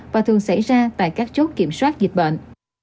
và thường xảy ra tại các chốt kiểm soát dịch bệnh